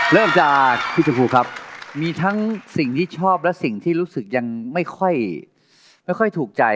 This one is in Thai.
เริ่มจากพี่ชมพูครับมีทั้งสิ่งที่ชอบและสิ่งที่รู้สึกยังไม่ค่อยถูกใจ